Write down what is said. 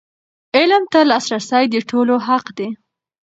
علم ته لاسرسی د ټولو حق دی.